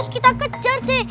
kita kejar deh